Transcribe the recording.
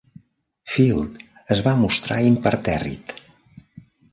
Field es va mostrar impertèrrit.